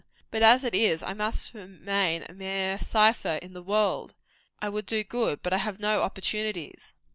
But as it is, I must remain a mere cypher in the world. I would do good, but I have no opportunities."